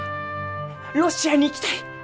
ロシアに行きたい！